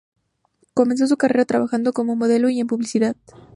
Comenzó su carrera trabajando como modelo y en publicidad.